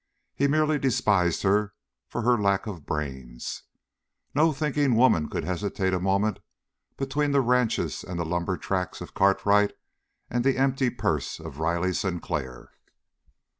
He merely despised her for her lack of brains. No thinking woman could hesitate a moment between the ranches and the lumber tracts of Cartwright and the empty purse of Riley Sinclair.